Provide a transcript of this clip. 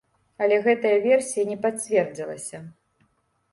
Але гэтая версія не пацвердзілася.